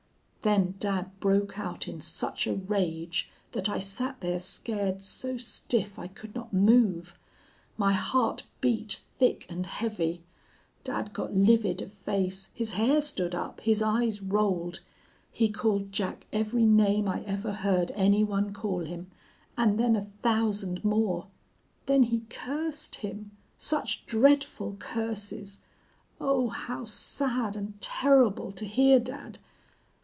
"Then dad broke out in such a rage that I sat there scared so stiff I could not move. My heart beat thick and heavy. Dad got livid of face, his hair stood up, his eyes rolled. He called Jack every name I ever heard any one call him, and then a thousand more. Then he cursed him. Such dreadful curses! Oh, how sad and terrible to hear dad!